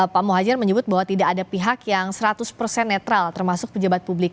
pak muhajir menyebut bahwa tidak ada pihak yang seratus persen netral termasuk pejabat publik